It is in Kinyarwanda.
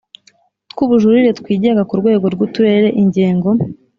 Tw ubujurire twigenga ku rwego rw uturere ingengo